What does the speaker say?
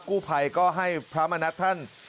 กู้ภัยก็ให้พระมณัฐท่าน